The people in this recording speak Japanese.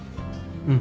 うん。